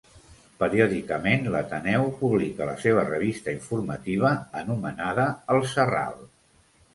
Periòdicament l'Ateneu publica la seva revista informativa anomenada El Serral.